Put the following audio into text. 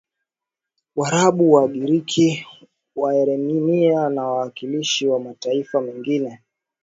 Waarabu Wagiriki Waarmenia na wawakilishi wa mataifa mengine